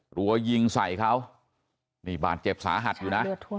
รัวยิงใส่เขานี่บาดเจ็บสาหัสอยู่นะ